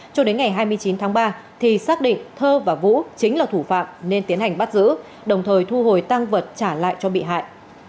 cho đến ngày hai mươi chín tháng ba thì xác định thơ và vũ chính là thủ phạm nên tiến hành bắt giữ đồng thời thu hồi tăng vật trả lại cho bị hại